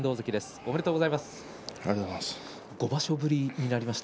おめでとうございます。